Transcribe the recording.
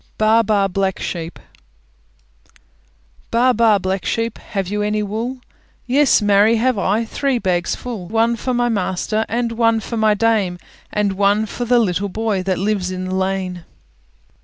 BAA, BAA, BLACK SHEEP Baa, baa, Black Sheep, Have you any wool? Yes, marry, have I, Three bags full: One for my master, And one for my Dame, And one for the little boy That lives in the lane!